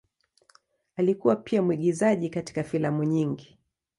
Alikuwa pia mwigizaji katika filamu nyingi.